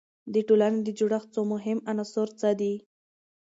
د ټولنې د جوړښت څو مهم عناصر څه دي؟